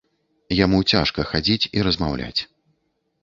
Яму цяжка хадзіць і размаўляць.